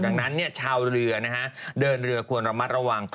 ดังนั้นเนี่ยชาวเรือนะฮะเดินเรือควรระมัดระวัง